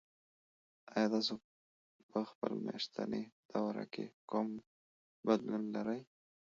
ایا تاسو په خپل میاشتني دوره کې کوم بدلون لرئ؟